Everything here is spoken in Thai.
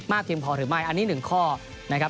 เพียงพอหรือไม่อันนี้หนึ่งข้อนะครับ